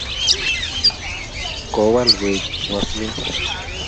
kowal koek Uaslim